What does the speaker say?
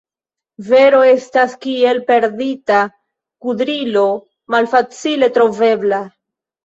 Vero estas kiel perdita kudrilo – malfacile trovebla.